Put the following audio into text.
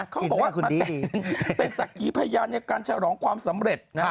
เขาบอกว่ามาแต่งเป็นสักขีพยานในการฉลองความสำเร็จ